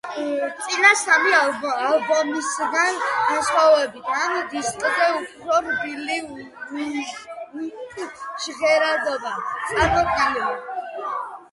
წინა სამი ალბომისგან განსხვავებით, ამ დისკზე უფრო რბილი ჟღერადობაა წარმოდგენილი.